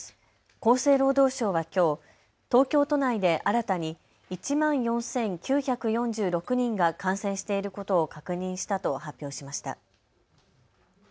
厚生労働省はきょう、東京都内で新たに１万４９４６人が感染していることを確認したと発表しました。